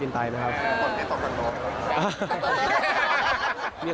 ครับสามนั้นพี่